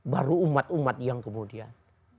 baru umat umat yang kemudian